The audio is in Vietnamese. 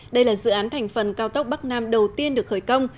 đây là dự án thành phần cao tốc bắc nam đầu tiên được khởi công